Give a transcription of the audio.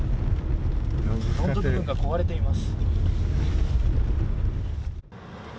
フロント部分が壊れています。